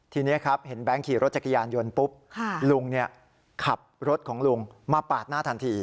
ทีนี้ครับเห็นแบงค์ขี่รถจักรยานยนต์ปุ๊บลุงขับรถของลุงมาปาดหน้าทันที